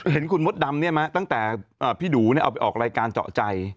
เห็นคุณมดดำเนี่ยมาตั้งแต่พี่หนูเอาไปออกรายการเจาะใจ